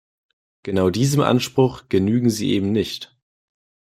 Genau diesem Anspruch genügen sie eben nicht.